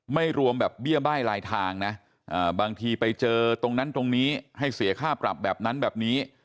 ไม่รวมแบบเบี้ยบ้ายลายทางนะบางทีไปเจอตรงนั้นตรงนี้ให้เสียค่าปรับแบบนั้นแบบนี้